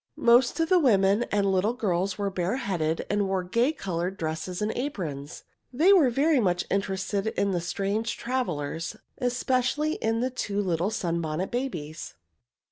Most of the women and little girls were bareheaded and wore gay colored dresses and aprons. They were very much interested in the strange travelers, especially in the two little Sunbonnet Babies.